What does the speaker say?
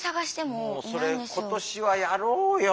もうそれ今年はやろうよ。